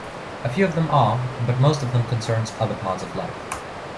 A few of them are, but most of them concerns other parts of life.